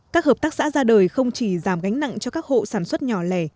các hợp tác xã ra đời không chỉ giảm gánh nặng cho các hộ sản xuất nhỏ lẻ